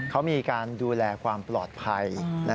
เขามีการดูแลความปลอดภัย